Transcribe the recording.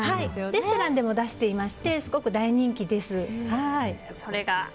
レストランでも出していまして大人気です。